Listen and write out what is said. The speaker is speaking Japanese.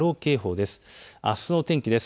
あすの天気です。